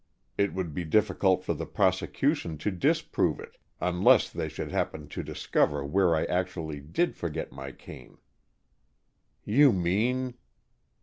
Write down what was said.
It would be difficult for the prosecution to disprove it unless they should happen to discover where I actually did forget my cane." "You mean